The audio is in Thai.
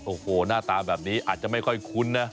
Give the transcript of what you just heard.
โอ้โหหน้าตาแบบนี้อาจจะไม่ค่อยคุ้นนะ